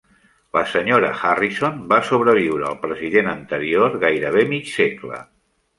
La senyora Harrison va sobreviure al president anterior gairebé mig segle.